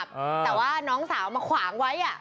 แต่ว่าน้องสาวมาขวางไว้อ่ะ